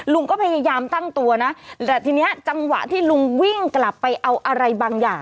ลุงก็พยายามตั้งตัวนะแต่ทีนี้จังหวะที่ลุงวิ่งกลับไปเอาอะไรบางอย่าง